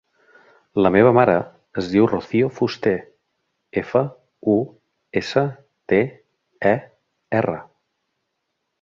La meva mare es diu Rocío Fuster: efa, u, essa, te, e, erra.